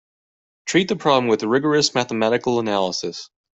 Treat the problem with rigorous mathematical analysis.